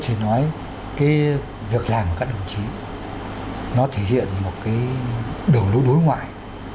có thể nói cái việc làm của các đồng chí nó thể hiện một cái đường lũ đối ngoại